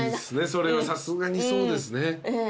それはさすがにそうですね。